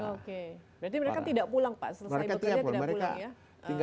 oke berarti mereka tidak pulang pak selesai bekerja tidak pulang ya